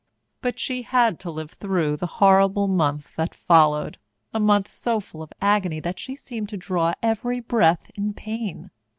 But she had to live through the horrible month that followed a month so full of agony that she seemed to draw every breath in pain.